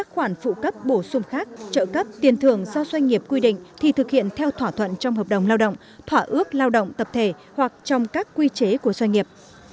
các khoản phụ cấp bổ sung khác trợ cấp tiền thưởng do doanh nghiệp quy định thì thực hiện theo thỏa thuận trong hợp đồng lao động thỏa ước lao động tập thể hoặc trong các quy chế của doanh nghiệp